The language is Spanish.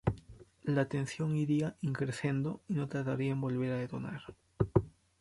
La tensión iría "in crescendo" y no tardaría en volver a detonar.